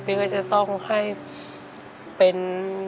ก็จะต้องให้เป็น